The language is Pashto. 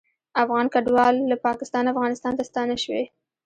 افغان کډوال له پاکستانه افغانستان ته ستانه شوي